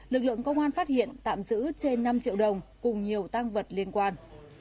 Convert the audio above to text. lực lượng công an phát hiện tạm giữ trên năm triệu đồng cùng nhiều tăng vật liên quan